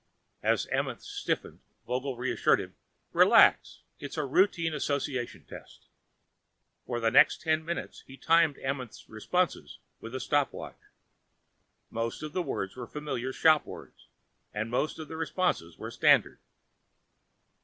As Amenth stiffened, Vogel reassured him, "Relax. It's a routine association test." For the next ten minutes he timed Amenth's responses with a stop watch. Most of the words were familiar shop words and most of the responses were standard.